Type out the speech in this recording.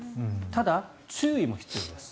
ただ、注意も必要です。